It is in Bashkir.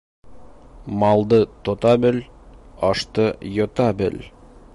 Малды тота бел, ашты йота бел!